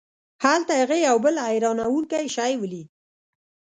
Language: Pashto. هلته هغه یو بل حیرانوونکی شی ولید.